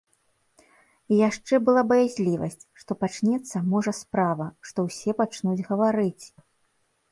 І яшчэ была баязлівасць, што пачнецца, можа, справа, што ўсе пачнуць гаварыць.